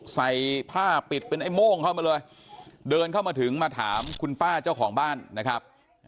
ใส่ผ้าปิดเป็นไอ้โม่งเข้ามาเลยเดินเข้ามาถึงมาถามคุณป้าเจ้าของบ้านนะครับ